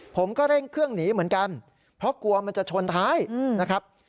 ผมก็เร่งเครื่องหนีเหมือนกันเพราะกลัวมันจะชนท้ายนะครับ